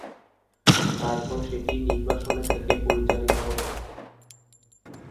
তারপর সেটি নির্বাসনে থেকে পরিচালিত হতে থাকে।